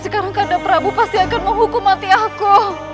kandang prabu pasti akan menghukum mati aku